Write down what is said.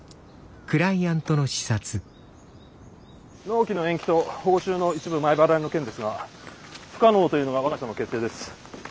納期の延期と報酬の一部前払いの件ですが不可能というのが我が社の決定です。